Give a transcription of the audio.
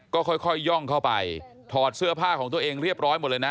ก็ค่อยย่องเข้าไปถอดเสื้อผ้าของตัวเองเรียบร้อยหมดเลยนะ